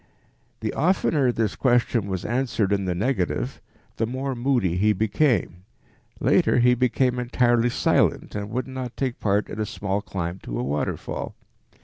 The oftener this question was answered in the negative, the more moody he became; later he became entirely silent and would not take part in a small climb to a waterfall.